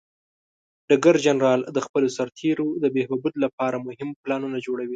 ډګر جنرال د خپلو سرتیرو د بهبود لپاره مهم پلانونه جوړوي.